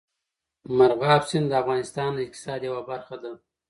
مورغاب سیند د افغانستان د اقتصاد یوه برخه ده.